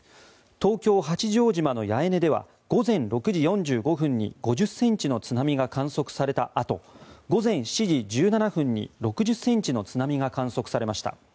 東京・八丈島の八重根では午前６時４５分に５０ｃｍの津波が観測されたあと午前７時１７分に６０ｃｍの津波が観測されました。